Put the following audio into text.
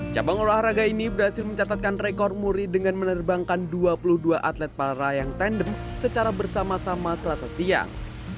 cabang olahraga ini berhasil mencatatkan rekor muri dengan menerbangkan dua puluh dua atlet pararayang tandem secara bersama sama selasa siang